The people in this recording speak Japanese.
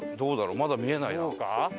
まだ見えないな。